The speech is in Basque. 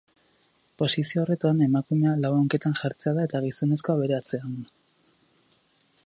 Posizio horretan, emakumea lau hanketan jartzen da eta gizonezkoa bere atzean.